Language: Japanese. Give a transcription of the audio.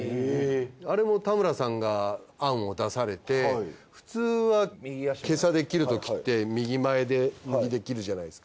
あれも田村さんが案を出されて普通は袈裟で斬るときって右前で右で斬るじゃないですか。